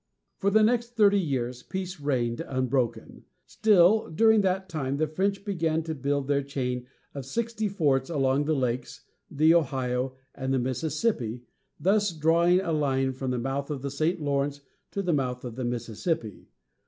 For the next thirty years peace reigned unbroken; still, during that time the French began to build their chain of sixty forts along the Lakes, the Ohio, and the Mississippi, thus drawing a line from the mouth of the St. Lawrence to the mouth of the Mississippi.